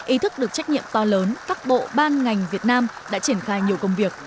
ý thức được trách nhiệm to lớn các bộ ban ngành việt nam đã triển khai nhiều công việc